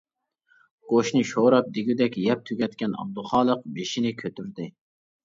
گۆشنى شوراپ دېگۈدەك يەپ تۈگەتكەن ئابدۇخالىق بېشىنى كۆتۈردى.